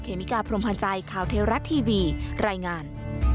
เมกาพรมพันธ์ใจข่าวเทวรัฐทีวีรายงาน